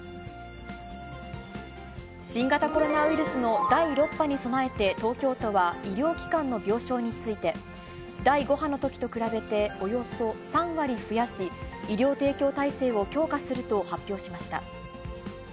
新型コロナウイルスの第６波に備えて、東京都は医療機関の病床について、第５波のときと比べて、およそ３割増やし、医療提供体制を強化すると発表しました。